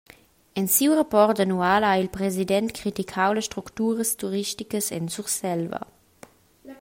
En siu rapport annual ha il president criticau las structuras turisticas en Surselva.